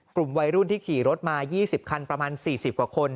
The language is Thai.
กลุ่มวัยรุ่นที่ขี่รถมา๒๐คันประมาณ๔๐กว่าคน